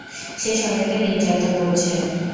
সে সবাইকে নির্যাতন করছে।